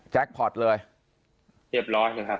เรียบร้อยถึงครับ